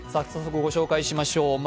早速ご紹介しましょう。